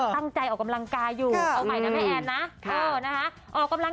ไม่ได้ออกกำลังกายอยู่อย่ามันหนีกรึ๊บเลยนะเลือดออกเลยนะ